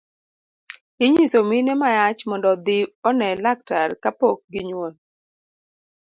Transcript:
Inyiso mine ma yach mondo odhi one laktar kapok ginyuol.